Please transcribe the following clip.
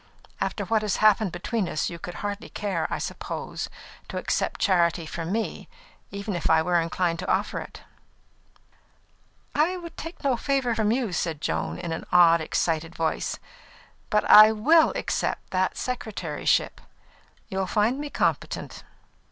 After what has passed between us, you would hardly care, I suppose, to accept charity from me, even if I were inclined to offer it." "I would take no favour from you," said Joan, in an odd, excited voice. "But I will accept that secretaryship; you'll find me competent."